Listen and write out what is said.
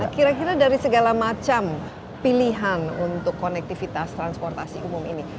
kira kira dari segala macam pilihan untuk konektivitas transportasi umum ini